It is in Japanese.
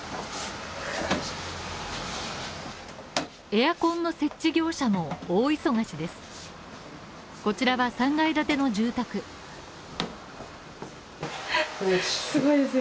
エアコンの設置業者も大忙しです。